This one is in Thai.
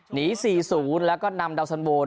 หนีสี่ศูนย์แล้วก็นำดาวน์สันโบร์น